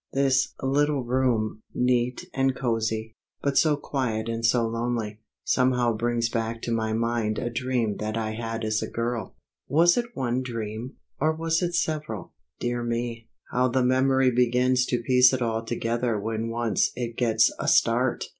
This little room, neat and cosy, but so quiet and so lonely, somehow brings back to my mind a dream that I had as a girl. Was it one dream, or was it several? Dear me, how the memory begins to piece it all together when once it gets a start!